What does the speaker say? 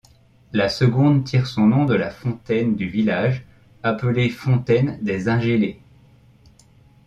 La seconde tire son nom de la fontaine du village, appelé fontaine des ingélés.